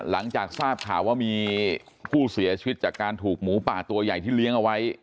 หลังจากทราบข่าวว่ามีผู้เสียชีวิตจากการถูกหมูป่าตัวใหญ่ที่เลี้ยงเอาไว้